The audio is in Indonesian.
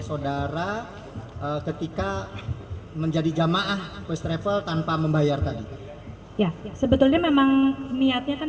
saudara ketika menjadi jamaah first travel tanpa membayar tadi ya sebetulnya memang niatnya kan